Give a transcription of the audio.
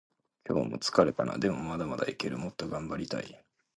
今日も疲れたな。でもまだまだいける。もっと頑張りたい。